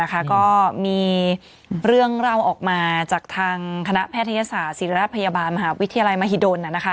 ก็มีเรื่องเล่าออกมาจากทางคณะแพทยศาสตร์ศิริราชพยาบาลมหาวิทยาลัยมหิดล